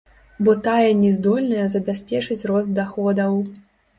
Бо тая не здольная забяспечыць рост даходаў.